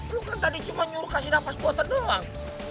lo kan tadi cuma nyuruh kasih napas buatan doang